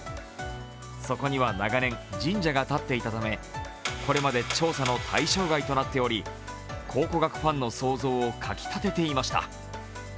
そこには長年、神社が建っていたため、これまで調査の対象外となっていて考古学ファンの想像をかき立てていました。